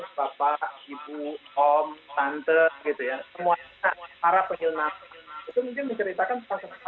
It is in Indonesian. dan cara melihat dunia